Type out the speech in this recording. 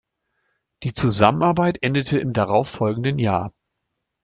Die Zusammenarbeit endete im darauf folgenden Jahr.